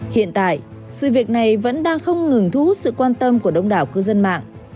hiện tại sự việc này vẫn đang không ngừng thu hút sự quan tâm của đông đảo cư dân mạng